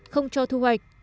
không cho thuốc sâu